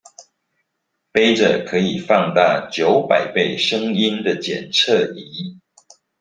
揹著可以放大九百倍聲音的檢測儀